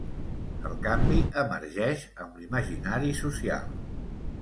El canvi emergeix amb l'imaginari social.